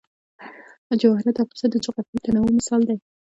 جواهرات د افغانستان د جغرافیوي تنوع مثال دی.